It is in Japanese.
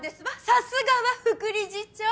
さすがは副理事長。